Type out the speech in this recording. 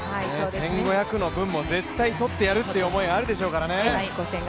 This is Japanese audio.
１５００の分も絶対取ってやろうという思いはあるでしょうからね。